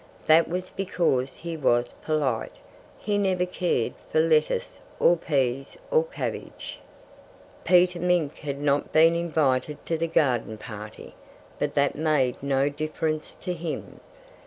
That was because he was polite. He never cared for lettuce, or peas, or cabbage. Peter Mink had not been invited to the garden party. But that made no difference to him.